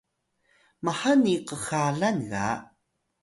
mhani kxalan ga